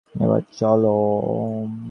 Ember, চলো।